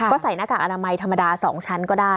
ก็ใส่หน้ากากอนามัยธรรมดา๒ชั้นก็ได้